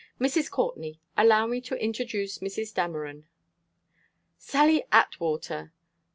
"Mrs. Courtney, allow me to introduce Mrs. Dameron." "Sally Atwater!"